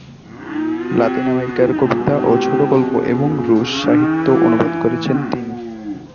লাতিন আমেরিকার কবিতা ও ছোটগল্প এবং রুশ সাহিত্য অনুবাদ করেছেন তিনি।